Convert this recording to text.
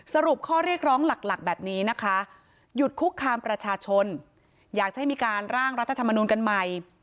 สรุปข้อเรียกร้องหลักแบบนี้นะคะหยุดคุกคามประชาชนอยากจะให้มีการร่างรัฐธรรมนูลกันใหม่